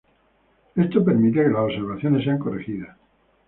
Esto permite que las observaciones sean corregidas.